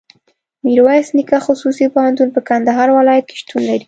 ميرویس نيکه خصوصي پوهنتون په کندهار ولایت کي شتون لري.